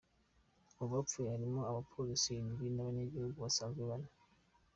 Mu bapfuye harimwo aba polisi indwi n'abanyagihugu basanzwe bane.